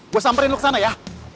gue samperin lu kesana ya